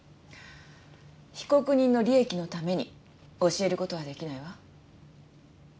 被告人の利益のために教える事はできないわ。